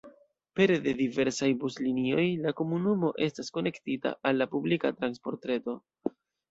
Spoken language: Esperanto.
Pere de diversaj buslinioj la komunumo estas konektita al la publika transportreto.